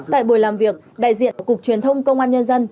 tại buổi làm việc đại diện cục truyền thông công an nhân dân